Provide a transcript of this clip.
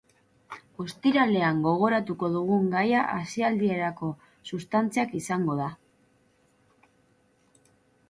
Ostiralean, gogoratuko dugun gaia aisialdirako substantziak izango da.